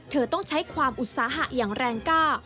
เธอต้องใช้ความอุตสาหะอย่างแรงกล้า